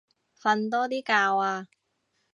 瞓多啲覺啊